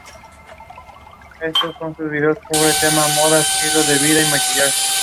en realidad no es más que una muestra